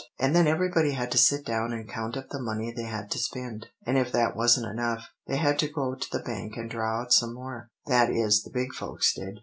And then everybody had to sit down and count up the money they had to spend; and if that wasn't enough, they had to go to the bank and draw out some more; that is, the big folks did.